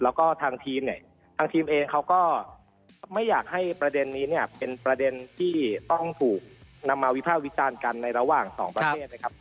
แล้วก็ทางทีมเนี่ยทางทีมเองเขาก็ไม่อยากให้ประเด็นนี้เนี่ยเป็นประเด็นที่ต้องถูกนำมาวิภาควิจารณ์กันในระหว่างสองประเทศนะครับ